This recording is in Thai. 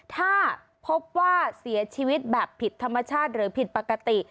ถ้าพบว่าเสียชีวิตแบบผิดธรรมชาติหรือผิดปกติ